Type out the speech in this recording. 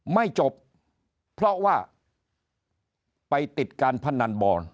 ไม่จบเพราะว่าไปติดการพนันบอล